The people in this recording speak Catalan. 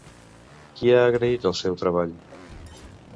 Qui ha agraït el seu treball?